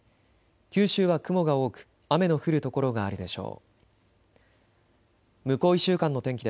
九州は雲が多く雨の降る所があるでしょう。